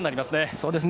そうですね。